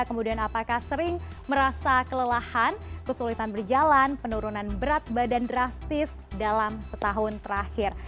kemudian apakah sering merasa kelelahan kesulitan berjalan penurunan berat badan drastis dalam setahun terakhir